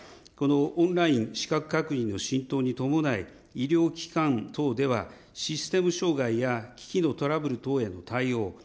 オンライン資格確認の進展に伴い、医療機関等では、システム障害や機器のトラブル等への対応。